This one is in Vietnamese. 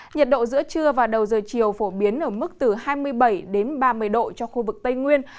nhiệt độ giữa trưa và đầu giờ chiều phổ biến ở mức từ hai mươi bảy đến ba mươi độ cho khu vực tây nguyên